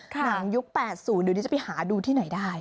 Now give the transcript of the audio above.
ยุค๘๐เดี๋ยวนี้จะไปหาดูที่ไหนได้